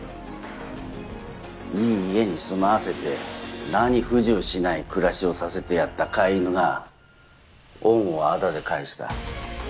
いい家に住まわせて何不自由しない暮らしをさせてやった飼い犬が恩を仇で返した。